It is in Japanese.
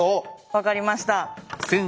分かりました。